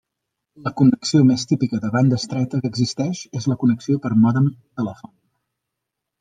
La connexió més típica de banda estreta que existeix és la connexió per mòdem telefònic.